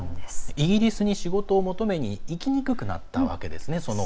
イギリスに仕事を求めに行きにくくなったわけですね。